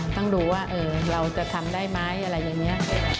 ต้องดูว่าเราจะทำได้ไหมอะไรอย่างนี้